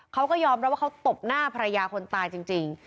เขาก็ยอมรับว่าเขาตบหน้าภรรยาคนตายจริง